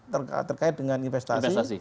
terkait dengan investasi